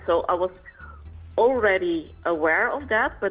bahwa kertas saya sebenarnya sudah terbuka